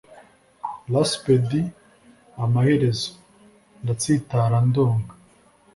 rasped amaherezo, ndatsitara ndonka